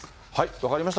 分かりました。